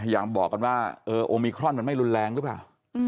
ยังบอกกันว่าโอมิครอนมันไม่รุนแรงหรือเปล่า